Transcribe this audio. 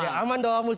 ya aman dong